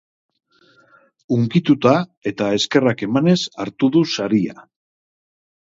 Hunkituta eta eskerrak emanez hartu du saria.